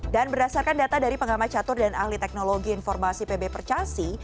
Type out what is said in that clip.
dan berdasarkan data dari pengamai catur dan ahli teknologi informasi pb percasi